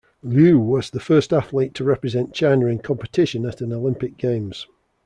Liu was the first athlete to represent China in competition at an Olympic Games.